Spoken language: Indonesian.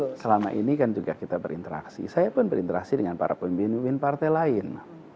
jadi selama ini kan juga kita berinteraksi saya pun berinteraksi dengan para pemimpin pemimpin partai lain